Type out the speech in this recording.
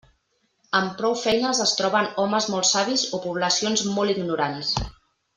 Amb prou feines es troben homes molt savis o poblacions molt ignorants.